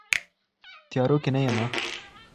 تيارو كي نه يمه